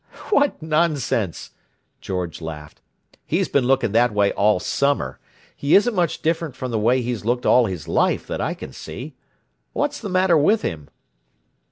"What nonsense!" George laughed. "He's been looking that way all summer. He isn't much different from the way he's looked all his life, that I can see. What's the matter with him?"